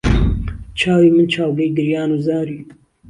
چاوی من چاوگەی گریان و زاری